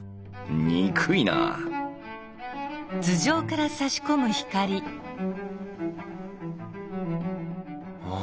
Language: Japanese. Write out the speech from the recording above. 憎いなあ